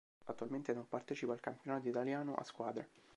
Attualmente non partecipa al campionato italiano a squadre.